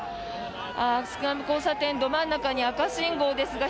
スクランブル交差点ど真ん中に赤信号ですが。